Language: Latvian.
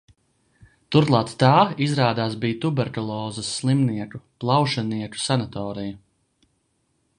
Turklāt tā, izrādās, bija tuberkulozes slimnieku, plaušenieku sanatorija.